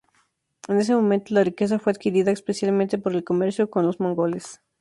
En ese momento, la riqueza fue adquirida especialmente por el comercio con los mongoles.